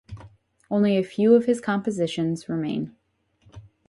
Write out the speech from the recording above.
Only a few of his compositions remain.